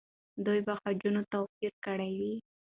دوی به خجونه توپیر کړي وي.